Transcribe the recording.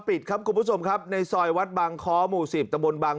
ปิดครับคุณผู้ชมครับในซอยวัดบางค้อหมู่สิบตะบนบาง